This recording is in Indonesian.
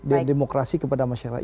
dan demokrasi kepada masyarakat